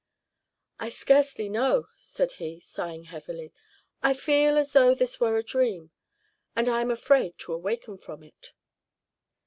"I scarcely know," said he, sighing heavily. "I feel as though this were a dream, and I am afraid to awaken from it."